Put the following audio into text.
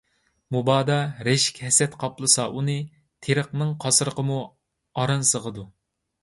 مۇبادا رەشك - ھەسەت قاپلىسا ئۇنى، تېرىقنىڭ قاسرىقىمۇ ئاران سىغىدۇ.